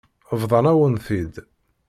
Bḍan-awen-t-id.